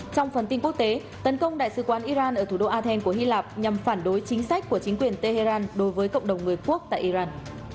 trong phần tin quốc tế tấn công đại sứ quán iran ở thủ đô athen của hy lạp nhằm phản đối chính sách của chính quyền tehran đối với cộng đồng người quốc tại iran